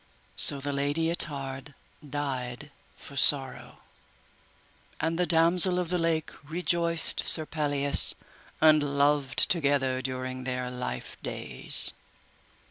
So the Lady Ettard died for sorrow, and the Damosel of the Lake rejoiced Sir Pelleas, and loved together during their life days.